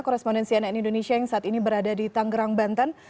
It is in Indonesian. korespondensi ann indonesia yang saat ini berada di tanggerang banten